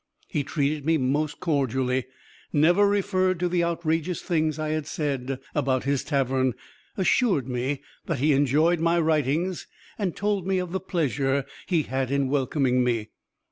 He treated me most cordially; never referred to the outrageous things I had said about his tavern; assured me that he enjoyed my writings, and told me of the pleasure he had in welcoming me.